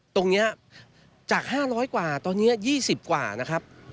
ตรงนี้จาก๕๐๐กว่าตอนนี้๒๐กว่านะครับ